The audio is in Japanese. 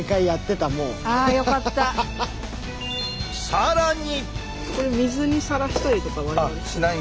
更に！